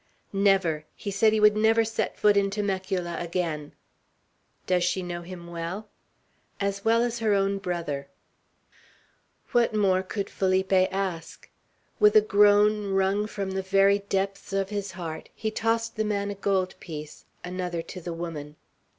"Never! He said he would never set foot in Temecula again." "Does she know him well?" "As well as her own brother." What more could Felipe ask? With a groan, wrung from the very depths of his heart, he tossed the man a gold piece; another to the woman.